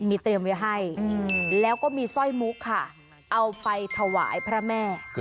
มีเตรียมไว้ให้แล้วก็มีสร้อยมุกค่ะเอาไปถวายพระแม่